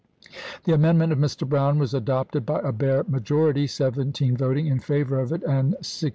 The amendment of Mr. Brown was adopted by a bare «Gi0be," majority, seventeen voting in favor of it and six JnlJ.